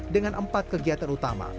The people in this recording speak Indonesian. dengan empat kegiatan utama